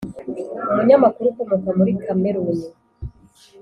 umunyamakuru ukomoka muri kameruni,